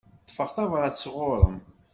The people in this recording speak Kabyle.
Ṭṭfeɣ tabrat sɣuṛ-m.